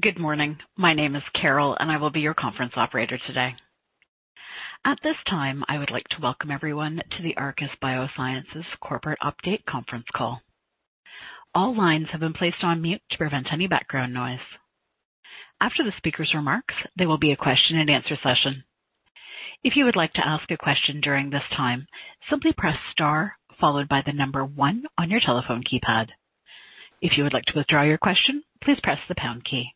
Good morning. My name is Carol, and I will be your conference operator today. At this time, I would like to welcome everyone to the Arcus Biosciences Corporate Update conference call. All lines have been placed on mute to prevent any background noise. After the speaker's remarks, there will be a question and answer session. If you would like to ask a question during this time, simply press star followed by the number one on your telephone keypad. If you would like to withdraw your question, please press the pound key.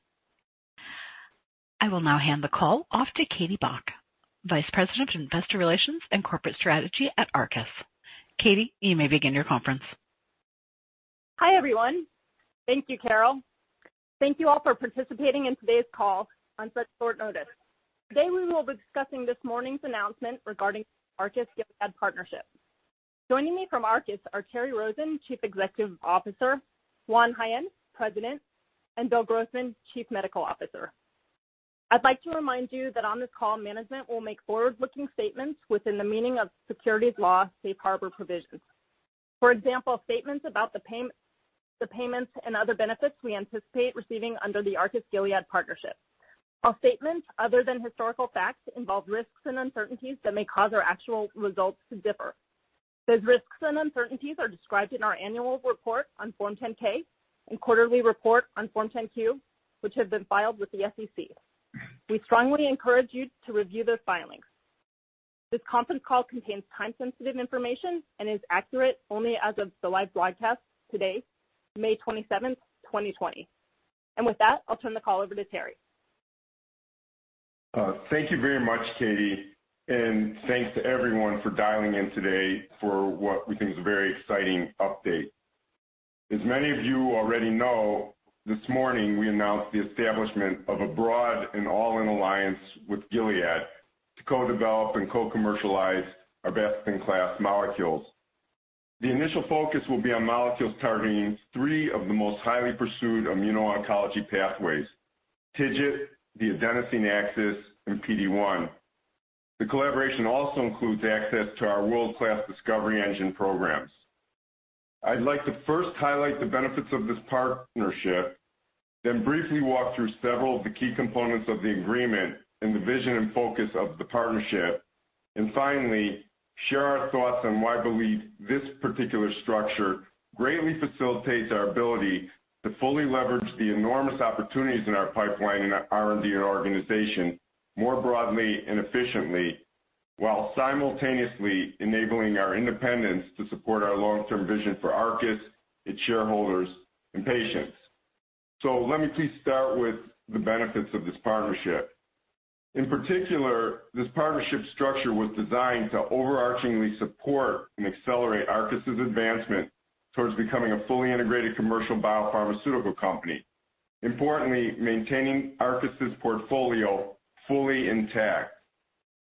I will now hand the call off to Katie Bock, Vice President of Investor Relations and Corporate Strategy at Arcus. Katie, you may begin your conference. Hi, everyone. Thank you, Carol. Thank you all for participating in today's call on such short notice. Today, we will be discussing this morning's announcement regarding Arcus' Gilead partnership. Joining me from Arcus are Terry Rosen, Chief Executive Officer, Juan Jaen, President, and Bill Grossman, Chief Medical Officer. I'd like to remind you that on this call, management will make forward-looking statements within the meaning of securities law's safe harbor provisions. For example, statements about the payments and other benefits we anticipate receiving under the Arcus/Gilead partnership. All statements other than historical facts involve risks and uncertainties that may cause our actual results to differ. Those risks and uncertainties are described in our annual report on Form 10-K and quarterly report on Form 10-Q, which have been filed with the SEC. We strongly encourage you to review those filings. This conference call contains time-sensitive information and is accurate only as of the live broadcast today, May 27th, 2020. With that, I'll turn the call over to Terry. Thank you very much, Katie. Thanks to everyone for dialing in today for what we think is a very exciting update. As many of you already know, this morning we announced the establishment of a broad and all-in alliance with Gilead to co-develop and co-commercialize our best-in-class molecules. The initial focus will be on molecules targeting three of the most highly pursued immuno-oncology pathways, TIGIT, the adenosine axis, and PD-1. The collaboration also includes access to our world-class discovery engine programs. I'd like to first highlight the benefits of this partnership, then briefly walk through several of the key components of the agreement and the vision and focus of the partnership. Finally, share our thoughts on why we believe this particular structure greatly facilitates our ability to fully leverage the enormous opportunities in our pipeline and our R&D organization more broadly and efficiently, while simultaneously enabling our independence to support our long-term vision for Arcus, its shareholders, and patients. Let me please start with the benefits of this partnership. In particular, this partnership structure was designed to overarchingly support and accelerate Arcus' advancement towards becoming a fully integrated commercial biopharmaceutical company, importantly, maintaining Arcus' portfolio fully intact.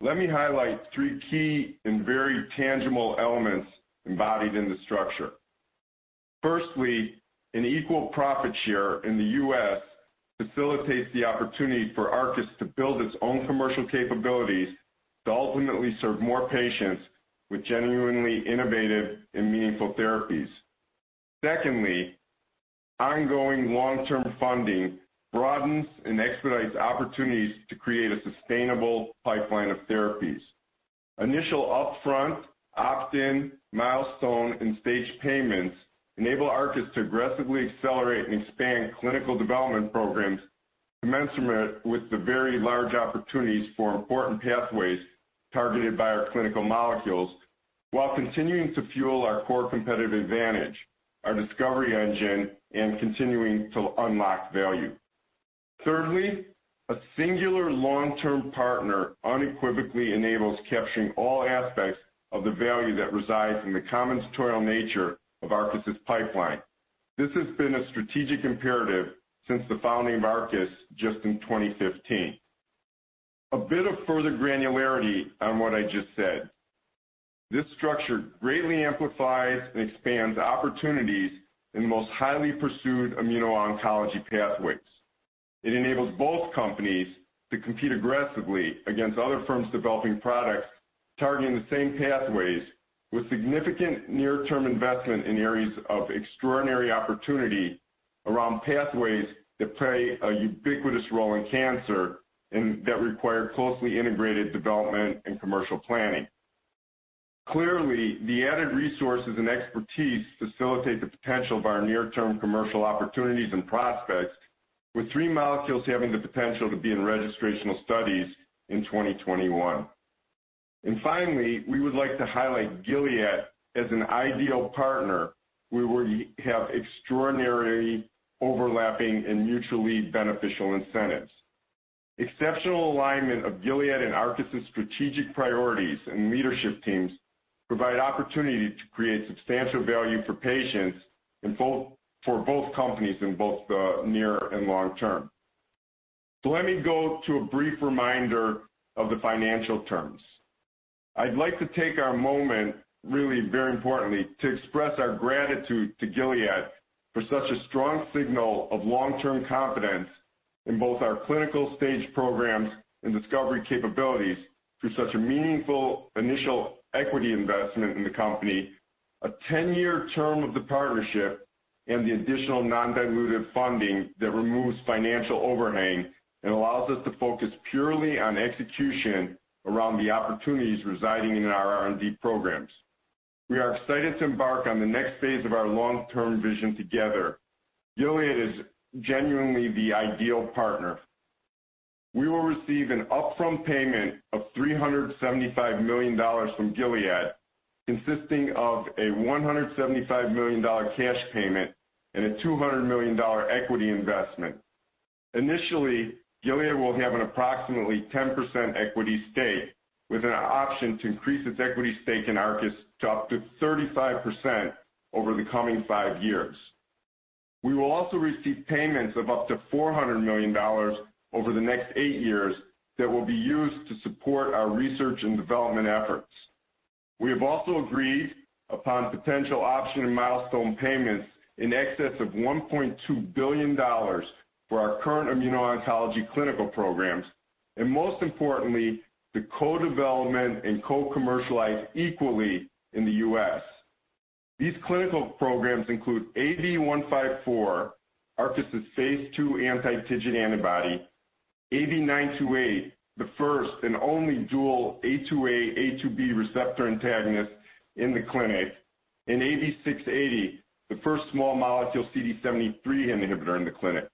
Let me highlight three key and very tangible elements embodied in the structure. Firstly, an equal profit share in the U.S. facilitates the opportunity for Arcus to build its own commercial capabilities to ultimately serve more patients with genuinely innovative and meaningful therapies. Secondly, ongoing long-term funding broadens and expedites opportunities to create a sustainable pipeline of therapies. Initial upfront, opt-in, milestone, and stage payments enable Arcus to aggressively accelerate and expand clinical development programs commensurate with the very large opportunities for important pathways targeted by our clinical molecules while continuing to fuel our core competitive advantage, our discovery engine, and continuing to unlock value. Thirdly, a singular long-term partner unequivocally enables capturing all aspects of the value that resides in the combinatorial nature of Arcus' pipeline. This has been a strategic imperative since the founding of Arcus just in 2015. A bit of further granularity on what I just said. This structure greatly amplifies and expands opportunities in the most highly pursued immuno-oncology pathways. It enables both companies to compete aggressively against other firms developing products targeting the same pathways with significant near-term investment in areas of extraordinary opportunity around pathways that play a ubiquitous role in cancer and that require closely integrated development and commercial planning. Clearly, the added resources and expertise facilitate the potential of our near-term commercial opportunities and prospects, with three molecules having the potential to be in registrational studies in 2021. Finally, we would like to highlight Gilead as an ideal partner, where we have extraordinary overlapping and mutually beneficial incentives. Exceptional alignment of Gilead and Arcus' strategic priorities and leadership teams provide opportunity to create substantial value for patients and for both companies in both the near and long term. Let me go to a brief reminder of the financial terms. I'd like to take a moment, really very importantly, to express our gratitude to Gilead for such a strong signal of long-term confidence in both our clinical-stage programs and discovery capabilities through such a meaningful initial equity investment in the company. A 10-year term of the partnership and the additional non-dilutive funding that removes financial overhang and allows us to focus purely on execution around the opportunities residing in our R&D programs. We are excited to embark on the next phase of our long-term vision together. Gilead is genuinely the ideal partner. We will receive an upfront payment of $375 million from Gilead, consisting of a $175 million cash payment and a $200 million equity investment. Initially, Gilead will have an approximately 10% equity stake with an option to increase its equity stake in Arcus to up to 35% over the coming five years. We will also receive payments of up to $400 million over the next eight years that will be used to support our research and development efforts. We have also agreed upon potential option and milestone payments in excess of $1.2 billion for our current immuno-oncology clinical programs, and most importantly, to co-development and co-commercialize equally in the U.S. These clinical programs include AB154, Arcus' phase II anti-TIGIT antibody, AB928, the first and only dual A2a/A2b receptor antagonist in the clinic, and AB680, the first small molecule CD73 inhibitor in the clinic.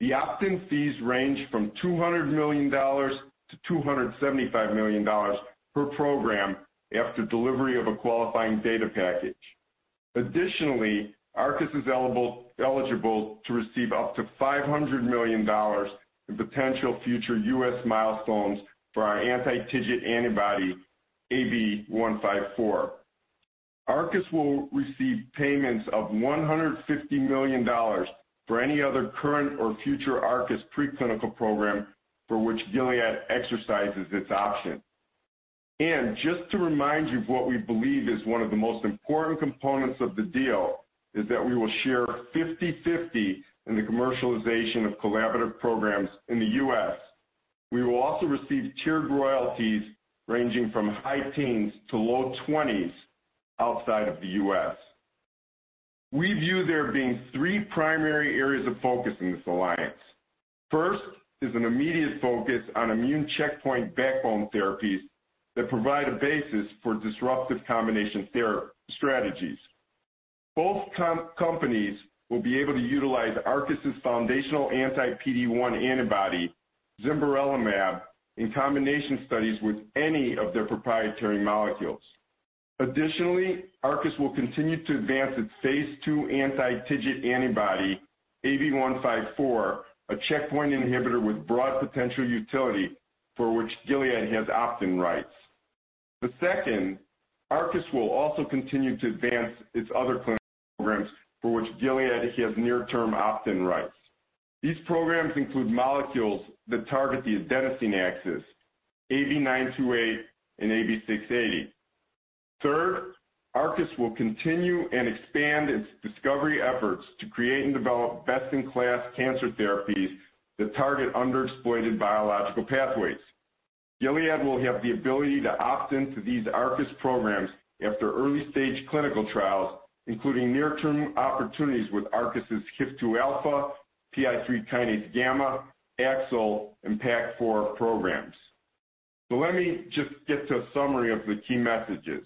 The opt-in fees range from $200 million to $275 million per program after delivery of a qualifying data package. Additionally, Arcus is eligible to receive up to $500 million in potential future U.S. milestones for our anti-TIGIT antibody, AB154. Arcus will receive payments of $150 million for any other current or future Arcus preclinical program for which Gilead exercises its option. Just to remind you of what we believe is one of the most important components of the deal is that we will share 50/50 in the commercialization of collaborative programs in the U.S. We will also receive tiered royalties ranging from high teens to low 20s outside of the U.S. We view there being three primary areas of focus in this alliance. First is an immediate focus on immune checkpoint backbone therapies that provide a basis for disruptive combination strategies. Both companies will be able to utilize Arcus' foundational anti-PD-1 antibody, zimberelimab, in combination studies with any of their proprietary molecules. Additionally, Arcus will continue to advance its phase II anti-TIGIT antibody, AB154, a checkpoint inhibitor with broad potential utility for which Gilead has opt-in rights. The second, Arcus will also continue to advance its other clinical programs for which Gilead has near-term opt-in rights. These programs include molecules that target the adenosine axis, AB928 and AB680. Arcus will continue and expand its discovery efforts to create and develop best-in-class cancer therapies that target underexploited biological pathways. Gilead will have the ability to opt into these Arcus programs after early-stage clinical trials, including near-term opportunities with Arcus' HIF-2α, PI3K-gamma, AXL, and PAK4 programs. Let me just get to a summary of the key messages.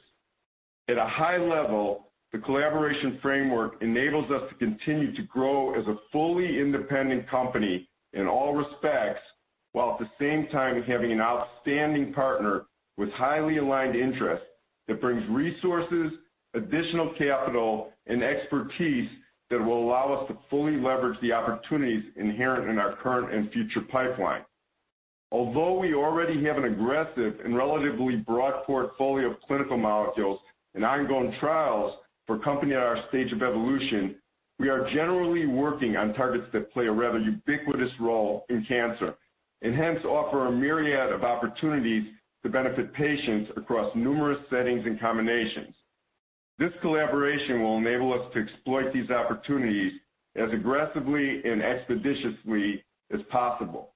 At a high level, the collaboration framework enables us to continue to grow as a fully independent company in all respects, while at the same time having an outstanding partner with highly aligned interests that brings resources, additional capital, and expertise that will allow us to fully leverage the opportunities inherent in our current and future pipeline. Although we already have an aggressive and relatively broad portfolio of clinical molecules and ongoing trials for a company at our stage of evolution, we are generally working on targets that play a rather ubiquitous role in cancer, and hence offer a myriad of opportunities to benefit patients across numerous settings and combinations. This collaboration will enable us to exploit these opportunities as aggressively and expeditiously as possible.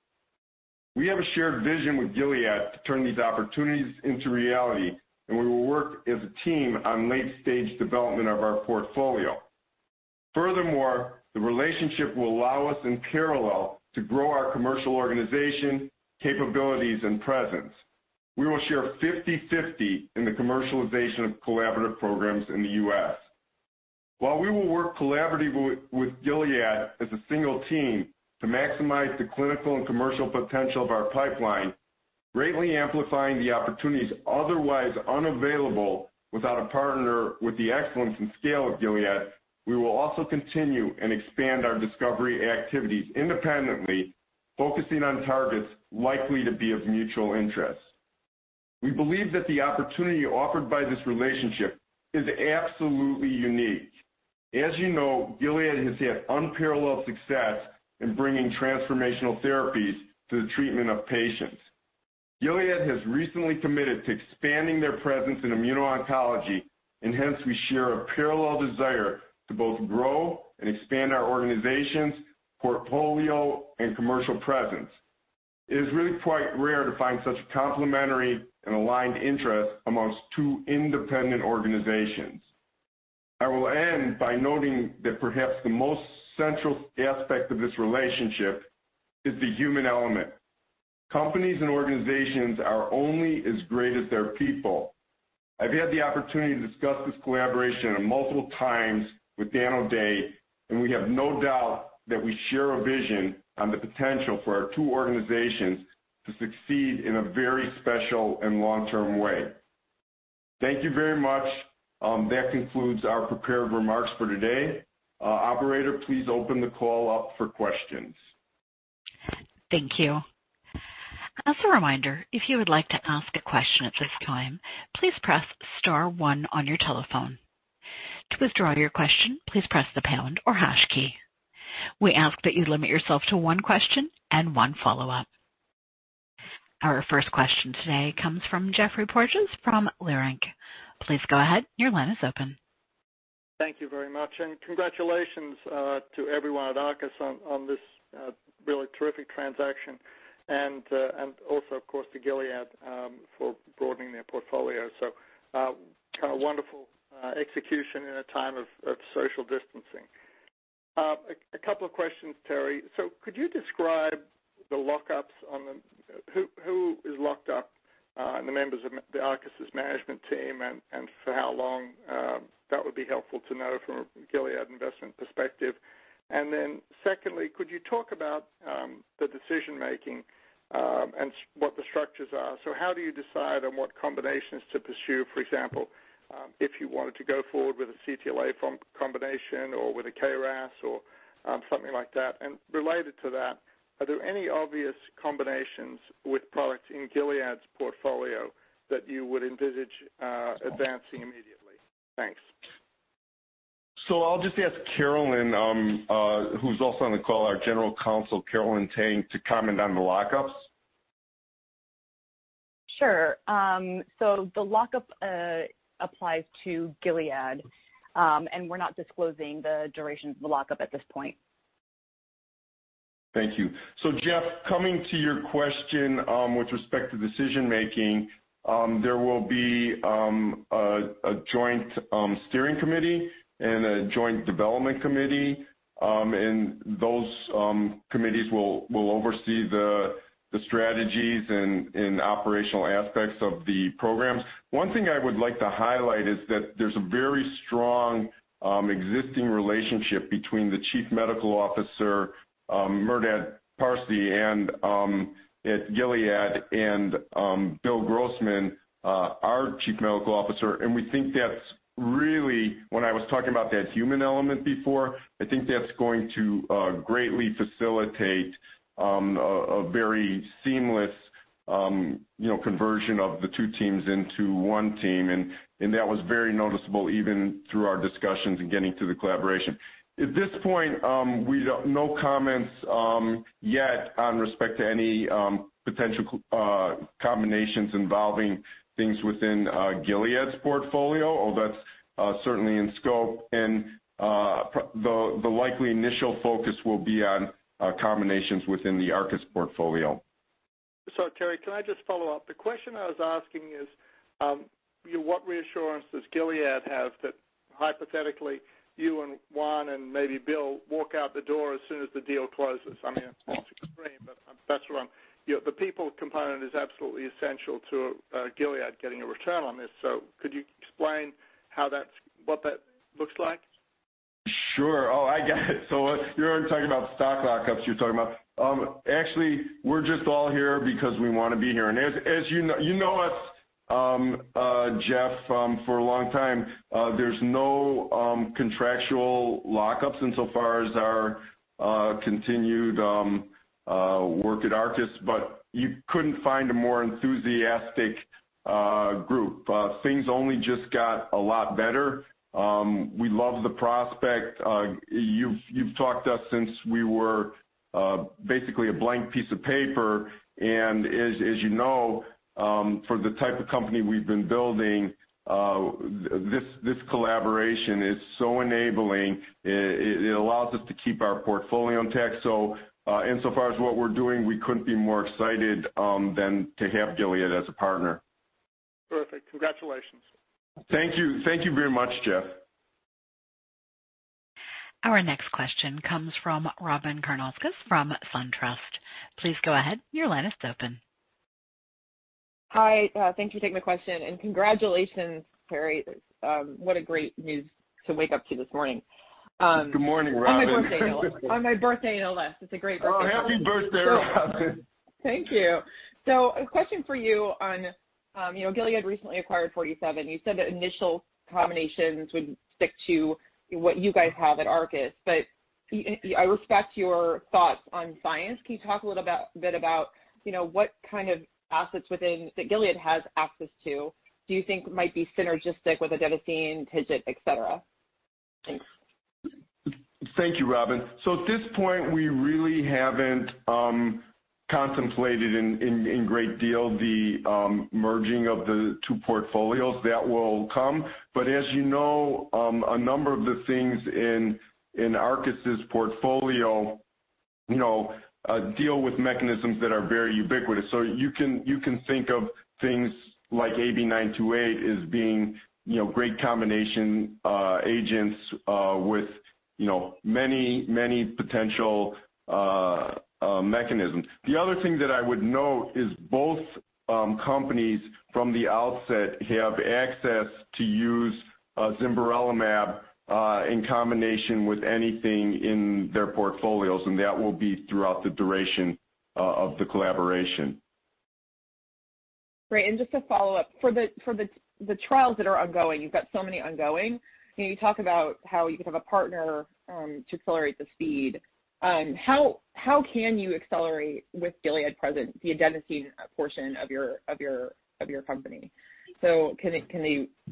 We have a shared vision with Gilead to turn these opportunities into reality, and we will work as a team on late-stage development of our portfolio. Furthermore, the relationship will allow us in parallel to grow our commercial organization, capabilities, and presence. We will share 50/50 in the commercialization of collaborative programs in the U.S. While we will work collaboratively with Gilead as a single team to maximize the clinical and commercial potential of our pipeline, greatly amplifying the opportunities otherwise unavailable without a partner with the excellence and scale of Gilead, we will also continue and expand our discovery activities independently, focusing on targets likely to be of mutual interest. We believe that the opportunity offered by this relationship is absolutely unique. As you know, Gilead has had unparalleled success in bringing transformational therapies to the treatment of patients. Gilead has recently committed to expanding their presence in immuno-oncology, hence we share a parallel desire to both grow and expand our organizations, portfolio, and commercial presence. It is really quite rare to find such complementary and aligned interests amongst two independent organizations. I will end by noting that perhaps the most central aspect of this relationship is the human element. Companies and organizations are only as great as their people. I've had the opportunity to discuss this collaboration multiple times with Dan O'Day. We have no doubt that we share a vision on the potential for our two organizations to succeed in a very special and long-term way. Thank you very much. That concludes our prepared remarks for today. Operator, please open the call up for questions. Thank you. As a reminder, if you would like to ask a question at this time, please press star one on your telephone. To withdraw your question, please press the pound or hash key. We ask that you limit yourself to one question and one follow-up. Our first question today comes from Geoffrey Porges from Leerink. Please go ahead. Your line is open. Thank you very much. Congratulations to everyone at Arcus on this really terrific transaction and also, of course, to Gilead for broadening their portfolio. Wonderful execution in a time of social distancing. A couple of questions, Terry. Could you describe the lockups on who is locked up in the members of the Arcus' management team and for how long? That would be helpful to know from a Gilead investment perspective. Secondly, could you talk about the decision-making and what the structures are? How do you decide on what combinations to pursue? For example, if you wanted to go forward with a CTLA combination or with a KRAS or something like that. Related to that, are there any obvious combinations with products in Gilead's portfolio that you would envisage advancing immediately? Thanks. I'll just ask Carolyn, who's also on the call, our General Counsel, Carolyn Tang, to comment on the lockups. Sure. The lockup applies to Gilead, and we're not disclosing the duration of the lockup at this point. Thank you. Geoffrey, coming to your question with respect to decision-making, there will be a Joint Steering Committee and a Joint Development Committee, and those committees will oversee the strategies and operational aspects of the programs. One thing I would like to highlight is that there's a very strong existing relationship between the Chief Medical Officer, Merdad Parsey at Gilead and Bill Grossman, our Chief Medical Officer. We think that's really, when I was talking about that human element before, I think that's going to greatly facilitate a very seamless conversion of the two teams into one team. That was very noticeable even through our discussions in getting to the collaboration. At this point, no comments yet on respect to any potential combinations involving things within Gilead's portfolio, although that's certainly in scope and the likely initial focus will be on combinations within the Arcus portfolio. Terry, can I just follow up? The question I was asking is, what reassurance does Gilead have that hypothetically you and Juan and maybe Bill walk out the door as soon as the deal closes? I mean, that's extreme, but the people component is absolutely essential to Gilead getting a return on this. Could you explain what that looks like? Sure. Oh, I get it. You're talking about stock lockups. Actually, we're just all here because we want to be here. As you know us, Geoff, for a long time, there's no contractual lockups insofar as our continued work at Arcus, you couldn't find a more enthusiastic group. Things only just got a lot better. We love the prospect. You've talked to us since we were basically a blank piece of paper, as you know, for the type of company we've been building, this collaboration is so enabling. It allows us to keep our portfolio intact. Insofar as what we're doing, we couldn't be more excited than to have Gilead as a partner. Perfect. Congratulations. Thank you. Thank you very much, Geoffrey. Our next question comes from Robyn Karnauskas from SunTrust. Please go ahead. Your line is open. Hi. Thanks for taking the question and congratulations, Terry. What a great news to wake up to this morning. Good morning, Robyn. On my birthday no less. It's a great birthday. Oh, happy birthday, Robyn. Thank you. A question for you on, Gilead recently acquired Forty Seven. You said that initial combinations would stick to what you guys have at Arcus, but I respect your thoughts on science. Can you talk a little bit about what kind of assets within that Gilead has access to do you think might be synergistic with adenosine axis, TIGIT, et cetera? Thanks. Thank you, Robyn. At this point, we really haven't contemplated in great deal the merging of the two portfolios. That will come. As you know, a number of the things in Arcus' portfolio deal with mechanisms that are very ubiquitous. You can think of things like AB928 as being great combination agents with many potential mechanisms. The other thing that I would note is both companies, from the outset, have access to use zimberelimab in combination with anything in their portfolios, and that will be throughout the duration of the collaboration. Great. Just a follow-up. For the trials that are ongoing, you've got so many ongoing, you talk about how you could have a partner to accelerate the speed. How can you accelerate with Gilead present, the adenosine portion of your company? Do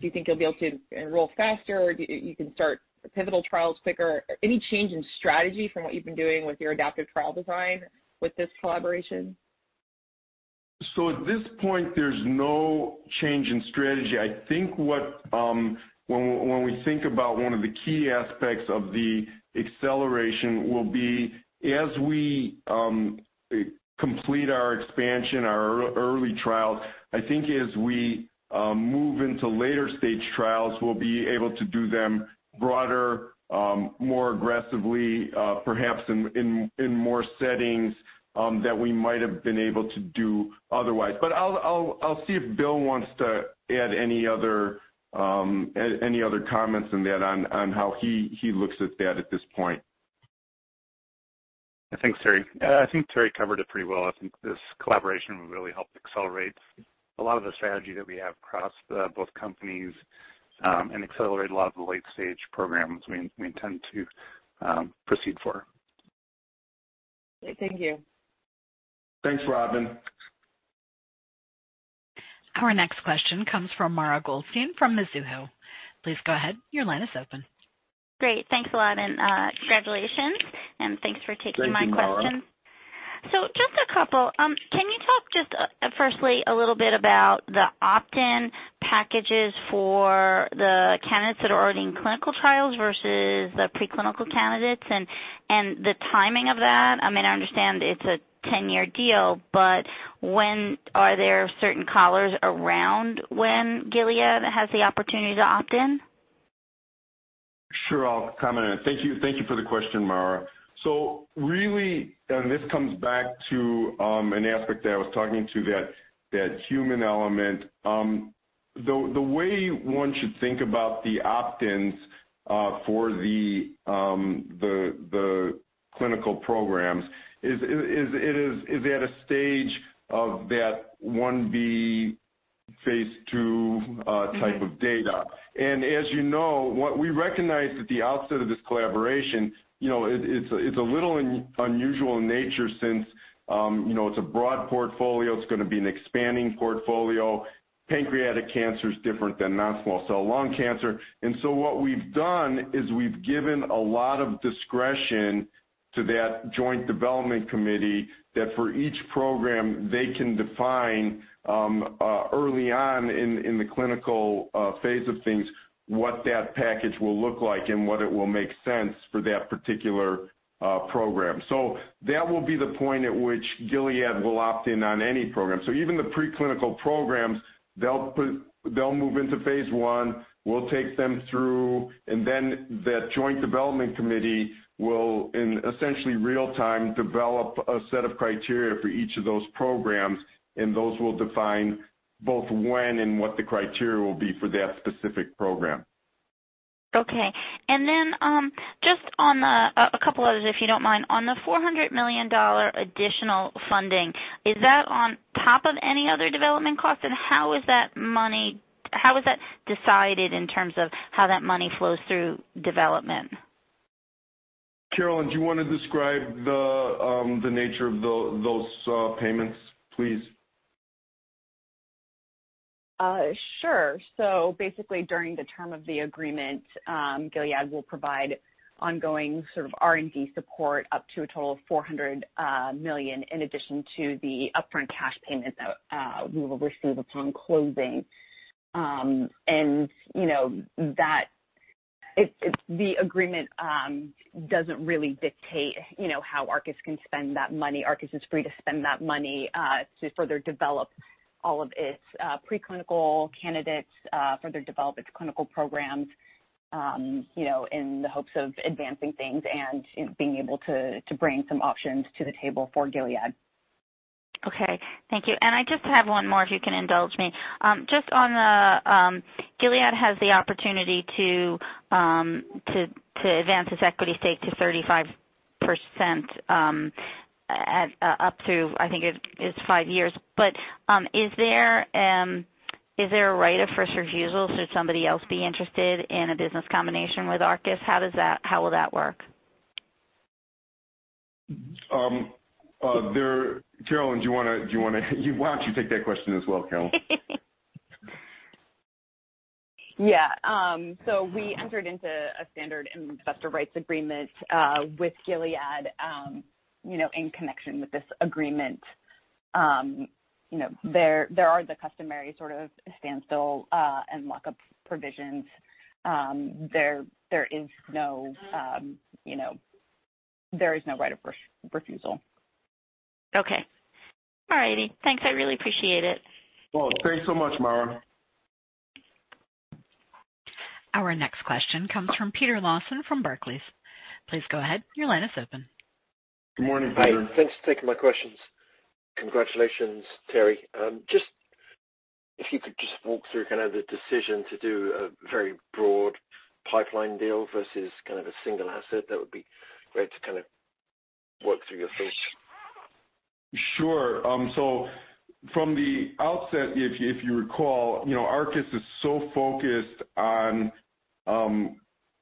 you think you'll be able to enroll faster, or you can start pivotal trials quicker? Any change in strategy from what you've been doing with your adaptive trial design with this collaboration? At this point, there's no change in strategy. I think when we think about one of the key aspects of the acceleration will be as we complete our expansion, our early trials, I think as we move into later stage trials, we'll be able to do them broader, more aggressively, perhaps in more settings than we might have been able to do otherwise. I'll see if Bill wants to add any other comments than that on how he looks at that at this point. Thanks, Terry. I think Terry covered it pretty well. I think this collaboration will really help accelerate a lot of the strategy that we have across both companies and accelerate a lot of the late-stage programs we intend to proceed for. Great. Thank you. Thanks, Robyn. Our next question comes from Mara Goldstein from Mizuho. Please go ahead. Your line is open. Great. Thanks a lot, and congratulations, and thanks for taking my question. Thank you, Mara. Just a couple. Can you talk just firstly a little bit about the opt-in packages for the candidates that are already in clinical trials versus the preclinical candidates and the timing of that? I understand it's a 10-year deal, but are there certain collars around when Gilead has the opportunity to opt in? Sure. I'll comment on it. Thank you for the question, Mara. Really, and this comes back to an aspect that I was talking to that human element. The way one should think about the opt-ins for the clinical programs is at a stage of that phase I-B/phase II type of data. As you know, what we recognized at the outset of this collaboration, it's a little unusual in nature since it's a broad portfolio, it's going to be an expanding portfolio. Pancreatic cancer is different than non-small cell lung cancer. What we've done is we've given a lot of discretion to that Joint Development Committee that for each program, they can define early on in the clinical phase of things what that package will look like and what it will make sense for that particular program. That will be the point at which Gilead will opt in on any program. Even the preclinical programs, they'll move into phase I, we'll take them through, and then that joint development committee will, in essentially real time, develop a set of criteria for each of those programs, and those will define both when and what the criteria will be for that specific program. Okay. Just on a couple others, if you don't mind, on the $400 million additional funding, is that on top of any other development cost? How is that decided in terms of how that money flows through development? Carolyn, do you want to describe the nature of those payments, please? Sure. Basically, during the term of the agreement, Gilead will provide ongoing R&D support up to a total of $400 million, in addition to the upfront cash payment that we will receive upon closing. The agreement doesn't really dictate how Arcus can spend that money. Arcus is free to spend that money to further develop all of its preclinical candidates, further develop its clinical programs, in the hopes of advancing things and being able to bring some options to the table for Gilead. Okay. Thank you. I just have one more, if you can indulge me. Just on the, Gilead has the opportunity to advance its equity stake to 35% up to, I think it is five years. Is there a right of first refusal should somebody else be interested in a business combination with Arcus? How will that work? Carolyn, why don't you take that question as well, Carolyn? Yeah. We entered into a standard investor rights agreement with Gilead in connection with this agreement. There are the customary sort of standstill and lock-up provisions. There is no right of refusal. Okay. All righty. Thanks, I really appreciate it. Well, thanks so much, Mara. Our next question comes from Peter Lawson from Barclays. Please go ahead. Your line is open. Good morning, Peter. Hi. Thanks for taking my questions. Congratulations, Terry. If you could just walk through the decision to do a very broad pipeline deal versus a single asset, that would be great to kind of work through your thinking. Sure. From the outset, if you recall, Arcus is so focused on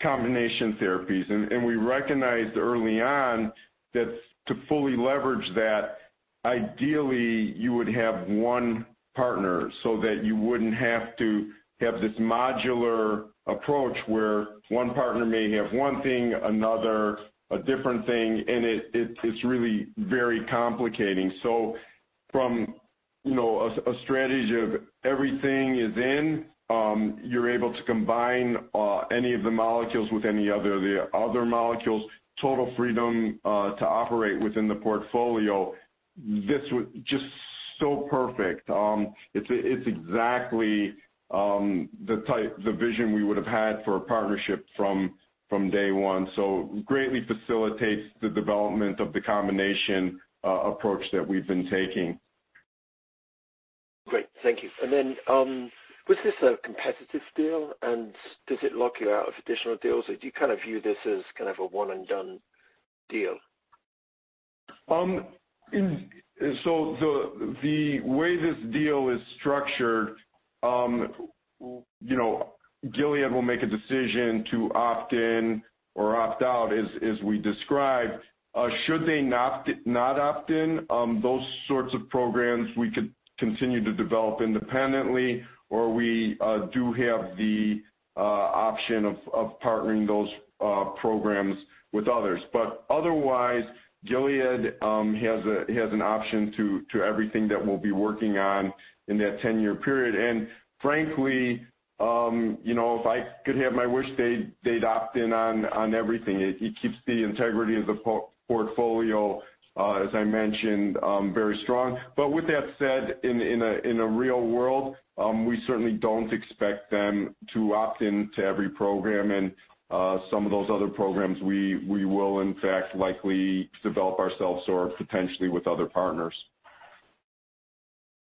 combination therapies, and we recognized early on that to fully leverage that, ideally you would have one partner so that you wouldn't have to have this modular approach where one partner may have one thing, another, a different thing, and it's really very complicating. From a strategy of everything is in, you're able to combine any of the molecules with any of the other molecules, total freedom to operate within the portfolio. This was just so perfect. It's exactly the vision we would have had for a partnership from day one. Greatly facilitates the development of the combination approach that we've been taking. Great. Thank you. Was this a competitive deal, and does it lock you out of additional deals, or do you view this as kind of a one and done deal? The way this deal is structured, Gilead will make a decision to opt in or opt out as we described. Should they not opt in, those sorts of programs we could continue to develop independently, or we do have the option of partnering those programs with others. Otherwise, Gilead has an option to everything that we'll be working on in that 10-year period. Frankly, if I could have my wish, they'd opt in on everything. It keeps the integrity of the portfolio, as I mentioned, very strong. With that said, in a real world, we certainly don't expect them to opt in to every program, and some of those other programs, we will in fact likely develop ourselves or potentially with other partners.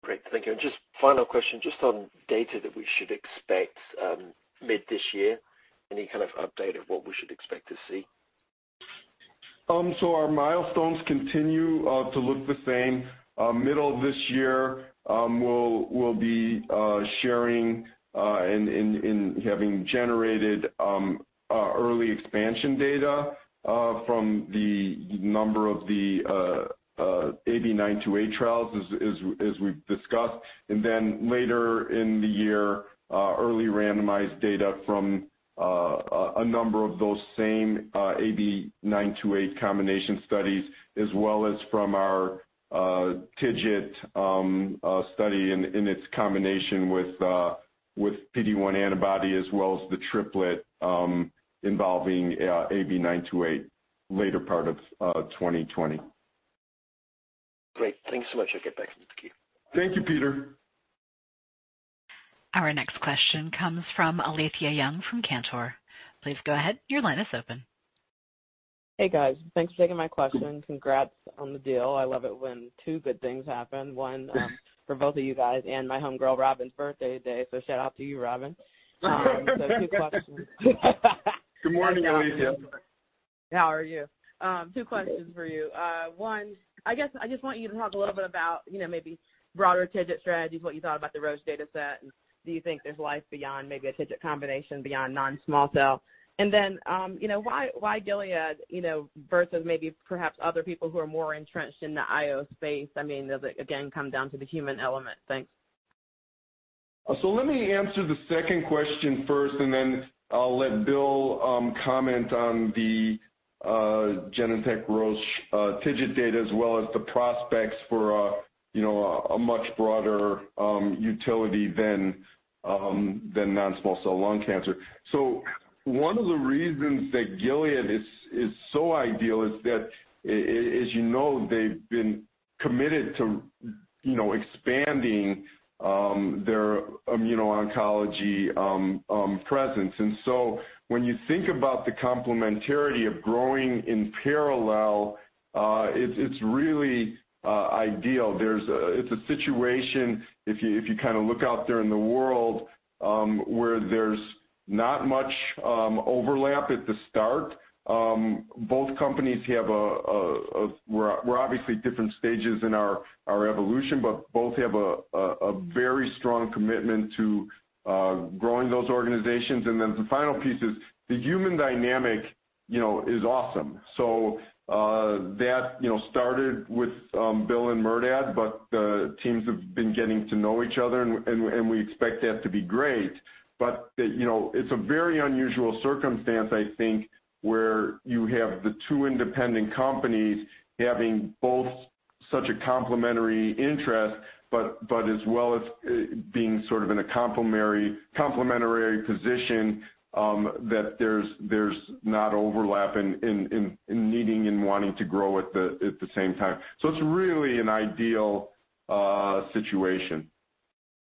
Great. Thank you. Just final question, just on data that we should expect mid this year, any kind of update of what we should expect to see? Our milestones continue to look the same. Middle of this year, we'll be sharing and having generated early expansion data from the number of the AB928 trials, as we've discussed. Later in the year, early randomized data from a number of those same AB928 combination studies, as well as from our TIGIT study in its combination with PD-1 antibody as well as the triplet involving AB928 later part of 2020. Great. Thanks so much. I'll get back into the queue. Thank you, Peter. Our next question comes from Alethia Young from Cantor. Please go ahead, your line is open. Hey, guys. Thanks for taking my question. Congrats on the deal. I love it when two good things happen. One, for both of you guys, and my homegirl Robyn's birthday today. Shout out to you, Robyn. Two questions. Good morning, Alethia. How are you? Two questions for you. One, I guess I just want you to talk a little bit about maybe broader TIGIT strategies, what you thought about the Roche data set, and do you think there's life beyond maybe a TIGIT combination, beyond non-small cell? Why Gilead versus maybe perhaps other people who are more entrenched in the IO space? I mean, does it again come down to the human element? Thanks. Let me answer the second question first, and then I'll let Bill comment on the Genentech/Roche TIGIT data as well as the prospects for a much broader utility than non-small cell lung cancer. One of the reasons that Gilead is so ideal is that, as you know, they've been committed to expanding their immuno-oncology presence. When you think about the complementarity of growing in parallel, it's really ideal. It's a situation, if you look out there in the world, where there's not much overlap at the start. Both companies, we're obviously at different stages in our evolution, but both have a very strong commitment to growing those organizations. The final piece is the human dynamic is awesome. That started with Bill and Merdad, but the teams have been getting to know each other, and we expect that to be great. It's a very unusual circumstance, I think, where you have the two independent companies having both such a complementary interest, but as well as being in a complementary position that there's not overlap in needing and wanting to grow at the same time. It's really an ideal situation.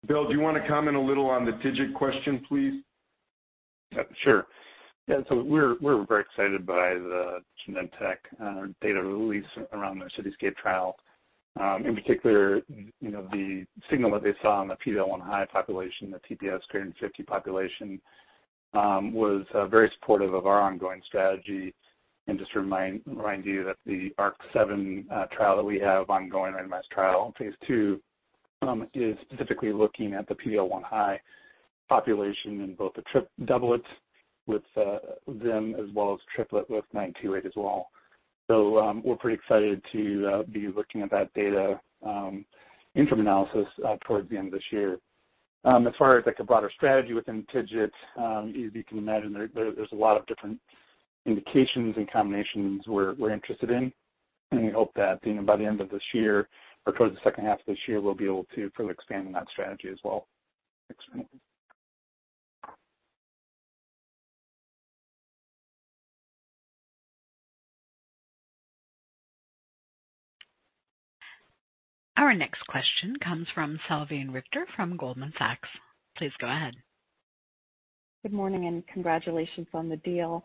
Bill, do you want to comment a little on the TIGIT question, please? Sure. Yeah, we're very excited by the Genentech data release around their CITYSCAPE trial. In particular, the signal that they saw in the PD-L1 high population, the TPS greater than 50 population, was very supportive of our ongoing strategy. Just to remind you that the ARC-7 trial that we have ongoing, randomized trial Phase II, is specifically looking at the PD-L1 high population in both a doublet with zim as well as triplet with AB928 as well. We're pretty excited to be looking at that data interim analysis towards the end of this year. As far as like a broader strategy within TIGIT, as you can imagine, there's a lot of different indications and combinations we're interested in. We hope that by the end of this year or towards the second half of this year, we'll be able to further expand on that strategy as well. Thanks. Our next question comes from Salveen Richter from Goldman Sachs. Please go ahead. Good morning. Congratulations on the deal.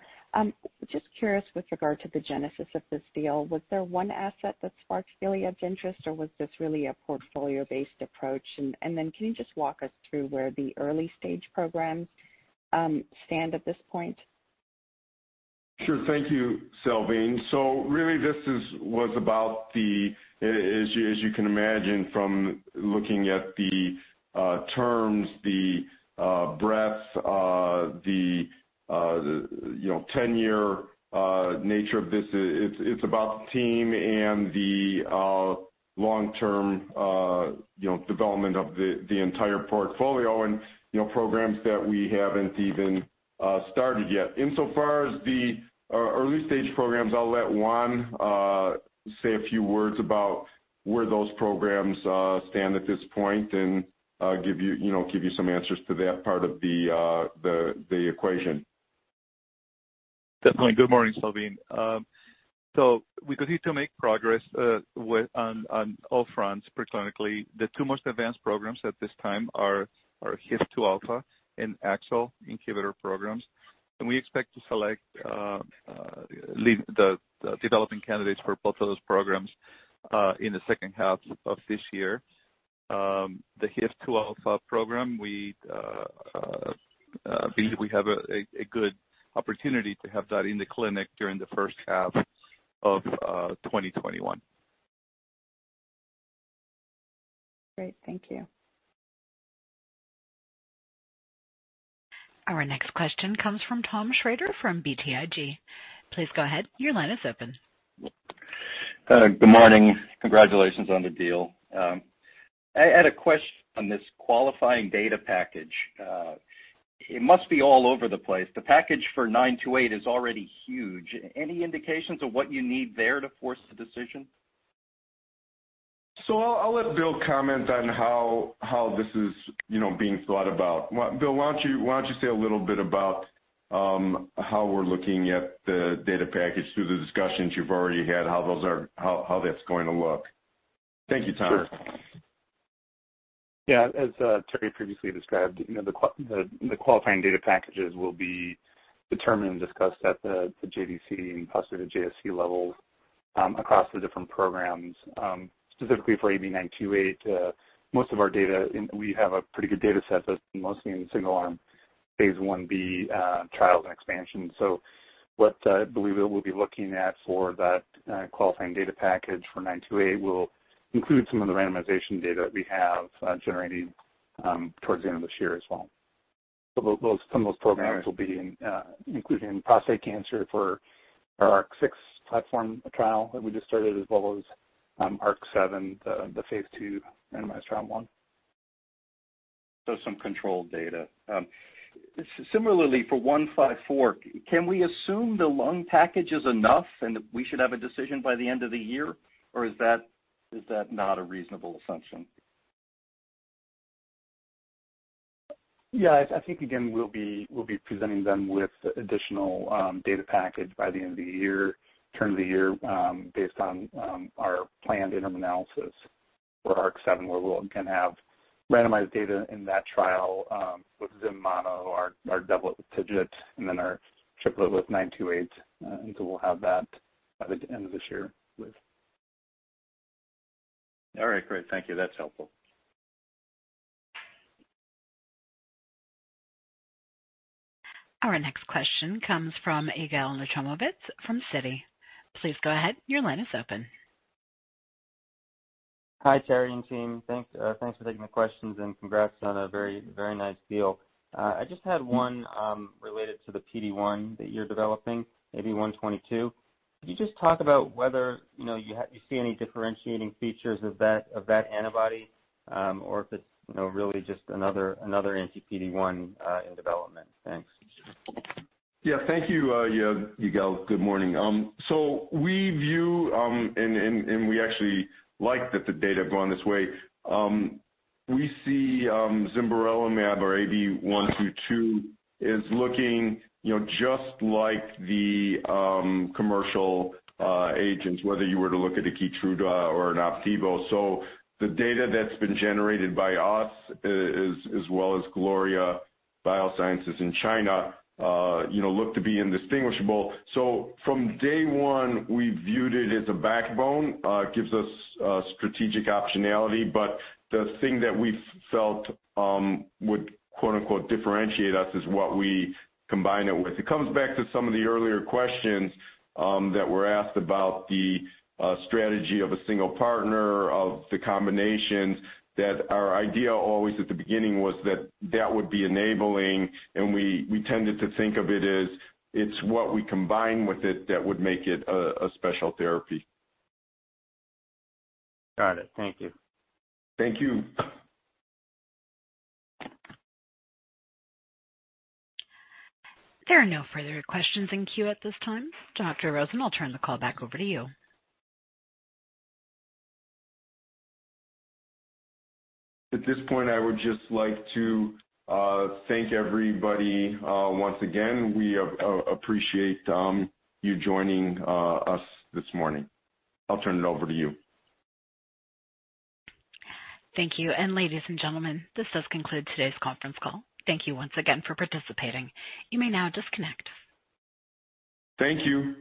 Just curious with regard to the genesis of this deal, was there one asset that sparked really of interest, or was this really a portfolio-based approach? Can you just walk us through where the early-stage programs stand at this point? Sure. Thank you, Salveen. Really this was about the, as you can imagine from looking at the terms, the breadth the 10-year nature of this, it's about the team and the long-term development of the entire portfolio and programs that we haven't even started yet. Insofar as the early-stage programs, I'll let Juan say a few words about where those programs stand at this point and give you some answers to that part of the equation. Definitely. Good morning, Salveen. We continue to make progress on all fronts preclinically. The two most advanced programs at this time are HIF-2α and AXL inhibitor programs. We expect to select the developing candidates for both of those programs in the second half of this year. The HIF-2α program, we believe we have a good opportunity to have that in the clinic during the first half of 2021. Great. Thank you. Our next question comes from Tom Shrader from BTIG. Please go ahead. Your line is open. Good morning. Congratulations on the deal. I had a question on this qualifying data package. It must be all over the place. The package for AB928 is already huge. Any indications of what you need there to force the decision? I'll let Bill comment on how this is being thought about. Bill, why don't you say a little bit about how we're looking at the data package through the discussions you've already had, how that's going to look. Thank you, Tom. Sure. Yeah, as Terry previously described, the qualifying data packages will be determined and discussed at the JDC and possibly the JSC level across the different programs. Specifically for AB928, most of our data, and we have a pretty good data set that's mostly in single arm phase I-B trial and expansion. What I believe we'll be looking at for that qualifying data package for AB928 will include some of the randomization data that we have generating towards the end of this year as well. Some of those programs will be including prostate cancer for our ARC-7 platform trial that we just started, as well as ARC-7, the phase II randomized trial one. Some controlled data. Similarly, for AB154, can we assume the lung package is enough and we should have a decision by the end of the year? Is that not a reasonable assumption? Yeah, I think again, we'll be presenting them with additional data package by the end of the year, turn of the year, based on our planned interim analysis for ARC-7, where we'll again have randomized data in that trial with zim mono, our doublet with TIGIT, and then our triplet with AB928. We'll have that by the end of this year. All right, great. Thank you. That's helpful. Our next question comes from Yigal Nochomovitz from Citi. Please go ahead. Your line is open. Hi, Terry and team. Thanks for taking the questions and congrats on a very nice deal. I just had one related to the PD-1 that you're developing, AB122. Could you just talk about whether you see any differentiating features of that antibody, or if it's really just another anti-PD-1 in development? Thanks. Yeah. Thank you Yigal. Good morning. We view, and we actually like that the data have gone this way. We see zimberelimab or AB122 is looking just like the commercial agents, whether you were to look at a KEYTRUDA or an OPDIVO. The data that's been generated by us, as well as Gloria Biosciences in China look to be indistinguishable. From day one, we viewed it as a backbone, gives us strategic optionality. The thing that we felt would quote unquote differentiate Us is what we combine it with. It comes back to some of the earlier questions that were asked about the strategy of a single partner, of the combinations, that our idea always at the beginning was that that would be enabling, and we tended to think of it as it's what we combine with it that would make it a special therapy. Got it. Thank you. Thank you. There are no further questions in queue at this time. Dr. Rosen, I'll turn the call back over to you. At this point, I would just like to thank everybody once again. We appreciate you joining us this morning. I'll turn it over to you. Thank you. Ladies and gentlemen, this does conclude today's conference call. Thank you once again for participating. You may now disconnect. Thank you.